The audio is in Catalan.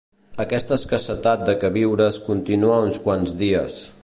Aquesta escassetat de queviures continuà uns quants dies